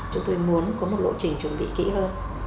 chúng tôi muốn có một lộ trình chuẩn bị kỹ hơn